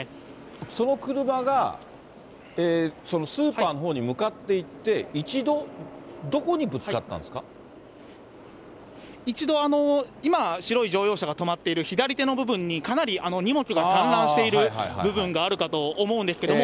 その車がそのスーパーのほうに向かっていって、一度、一度、今、白い乗用車が止まっている左手の部分に、かなり荷物が散乱している部分があるかと思うんですけれども、